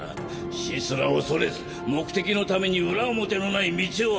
死すら恐れず目的のために裏表のない道を歩む。